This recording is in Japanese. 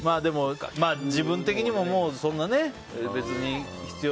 自分的にももう、そんなに必要